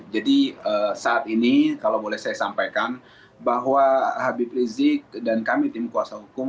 jadi saat ini kalau boleh saya sampaikan bahwa habib rizik dan kami tim kuasa hukum